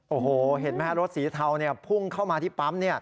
โอ้โหเห็นไหมฮะรถสีเทาพุ่งเข้ามาที่ปั๊ม